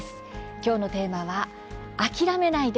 きょうのテーマは「あきらめないで！